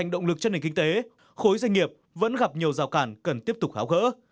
đồng lực cho nền kinh tế khối doanh nghiệp vẫn gặp nhiều giao cản cần tiếp tục háo gỡ